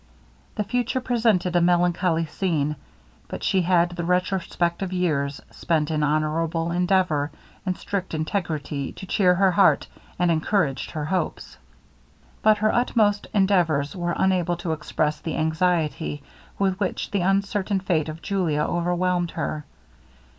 The future presented a melancholy scene; but she had the retrospect of years spent in honorable endeavour and strict integrity, to cheer her heart and encouraged her hopes. But her utmost endeavours were unable to express the anxiety with which the uncertain fate of Julia overwhelmed her.